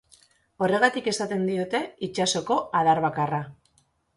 Horregatik esaten diote, itsasoko adarbakarra.